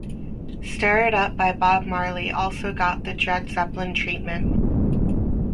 "Stir It Up" by Bob Marley also got the Dread Zeppelin treatment.